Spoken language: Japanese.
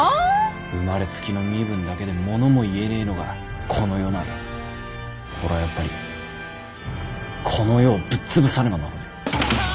生まれつきの身分だけでものも言えねえのがこの世なら俺はやっぱりこの世をぶっ潰さねばならねえ。